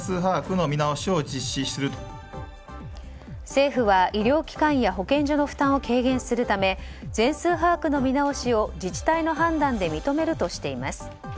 政府は、医療機関や保健所の負担を軽減するため全数把握の見直しを自治体の判断で認めるとしています。